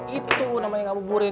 itu namanya ngabuburit